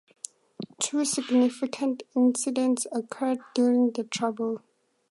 Two significant incidents occurred during the Troubles.